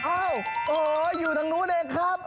โอ้โหอยู่ทางนู้นเองครับ